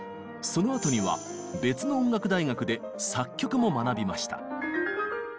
そのあとには別の音楽大学で作曲も学びました。